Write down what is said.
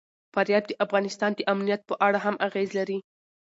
فاریاب د افغانستان د امنیت په اړه هم اغېز لري.